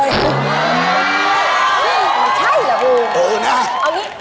นี่มันใช่เหรอคุณ